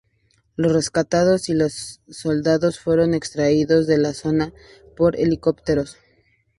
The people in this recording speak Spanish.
Los rescatados y los soldados fueron extraídos de la zona por helicópteros.